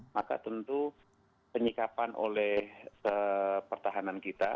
maka tentu penyikapan oleh pertahanan kita